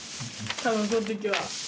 多分この時は。